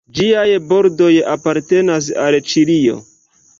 Ĝiaj bordoj apartenas al Ĉilio.